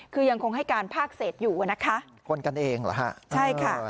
คือยังคงให้การภาคเศษอยู่อ่ะนะคะคนกันเองเหรอฮะใช่ค่ะ